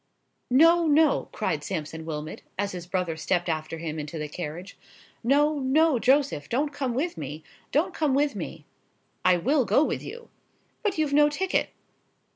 "No,—no," cried Sampson Wilmot, as his brother stepped after him into the carriage; "no,—no, Joseph, don't come with me,—don't come with me!" "I will go with you." "But you've no ticket."